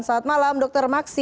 selamat malam dr maksi